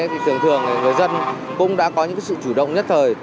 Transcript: thì thường thường người dân cũng đã có những sự chủ động nhất thời